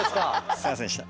すいませんでした。